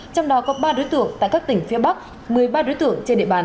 trong đó có ba đối tượng tại các tỉnh phía bắc một mươi ba đối tượng trên địa bàn